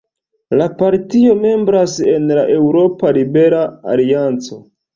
La partio membras en la Eŭropa Libera Alianco.